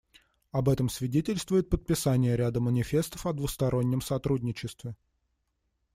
Об этом свидетельствует подписание ряда манифестов о двустороннем сотрудничестве.